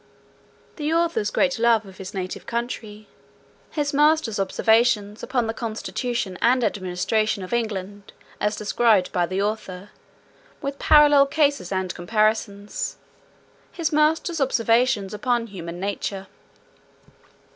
The author's great love of his native country. His master's observations upon the constitution and administration of England, as described by the author, with parallel cases and comparisons. His master's observations upon human nature.